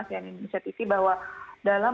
cnn indonesia tv bahwa dalam